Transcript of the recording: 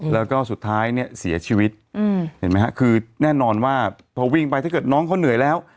แล้วก็สุดท้ายเนี่ยเสียชีวิตเห็นไหมฮะคือแน่นอนว่าพอวิ่งไปถ้าเกิดน้องเขาเหนื่อยแล้ว